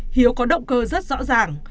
hiếu có động cơ rất rõ ràng